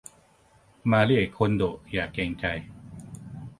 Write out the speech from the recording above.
มาริเอะคนโดะอย่าเกรงใจ